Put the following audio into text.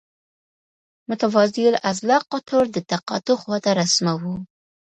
متوازی الاضلاع قطر د تقاطع خواته رسموو.